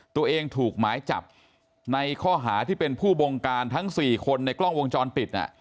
ตัวเองถูกหมายจับในข้อหาที่เป็นผู้บงการทั้ง๔คนในกล้องวงจรปิด